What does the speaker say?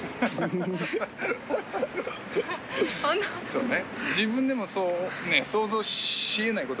そうね。